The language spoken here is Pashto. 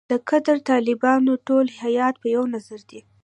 د قطر د طالبانو ټول هیات په یوه نظر دی.